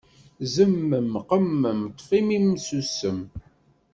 Zemmem qemmem, ṭṭef immi-m sussem.